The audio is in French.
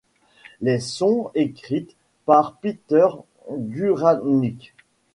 Les sont écrites par Peter Guralnick.